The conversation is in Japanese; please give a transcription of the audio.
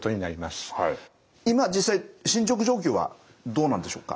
今実際進捗状況はどうなんでしょうか？